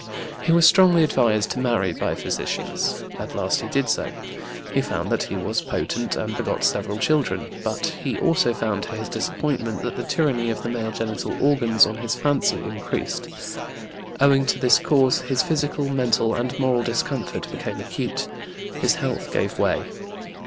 He was strongly advised to marry by physicians. At last he did so. He found that he was potent, and begot several children, but he also found, to his disappointment, that the tyranny of the male genital organs on his fancy increased. Owing to this cause his physical, mental, and moral discomfort became acute. His health gave way.